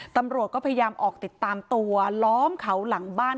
ตำรวจก็พยายามออกติดตามตัวล้อมเขาหลังบ้าน